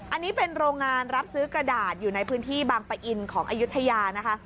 อันนี้เป็นโรงงานรับซื้อกระดาษอยู่ในพื้นที่บางปะอินของอายุทยานะคะ